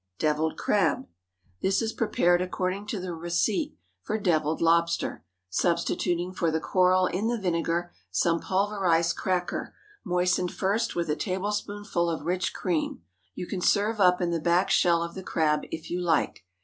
DEVILLED CRAB. ✠ This is prepared according to the receipt for devilled lobster—substituting for the coral in the vinegar some pulverized cracker, moistened first with a tablespoonful of rich cream. You can serve up in the back shell of the crab if you like.